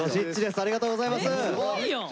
ありがとうございます！